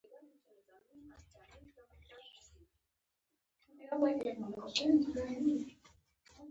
تعلیم نجونو ته د هڅې او کوشش ارزښت ور زده کوي.